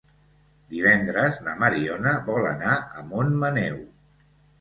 Divendres na Mariona vol anar a Montmaneu.